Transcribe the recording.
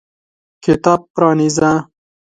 کتاب پرانیزه !